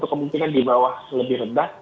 kemungkinan di bawah lebih rendah